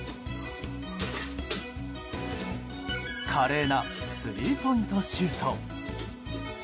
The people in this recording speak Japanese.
華麗なスリーポイントシュート。